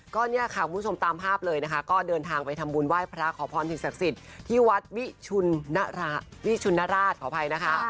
ก็เนี่ยค่ะคุณผู้ชมตามภาพเลยนะคะก็เดินทางไปทำบุญไหว้พระขอพรสิ่งศักดิ์สิทธิ์ที่วัดวิชวิชุนราชขออภัยนะคะ